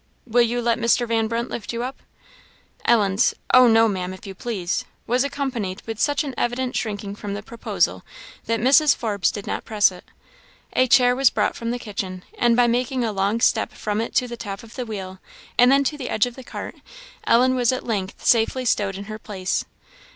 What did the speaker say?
Will you let Mr. Van Brunt lift you up?" Ellen's "Oh, no, Maam if you please!" was accompanied with such an evident shrinking from the proposal, that Mrs. Forbes did not press it. A chair was brought from the kitchen, and by making a long step from it to the top of the wheel, and then to the edge of the cart, Ellen was at length safely stowed in her place.